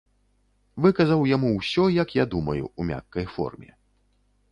Выказаў яму ўсё, як я думаю, у мяккай форме.